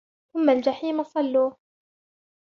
ثم الجحيم صلوه